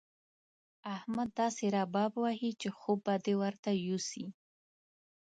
احمد داسې رباب وهي چې خوب به دې ورته يوسي.